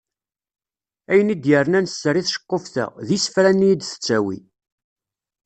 Ayen i d-yernan sser i tceqquft-a, d isefra-nni i d-tettawi.